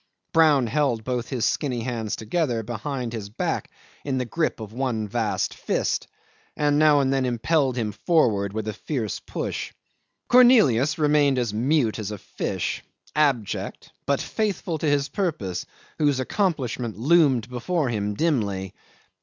Brown held both his skinny hands together behind his back in the grip of one vast fist, and now and then impelled him forward with a fierce push. Cornelius remained as mute as a fish, abject but faithful to his purpose, whose accomplishment loomed before him dimly.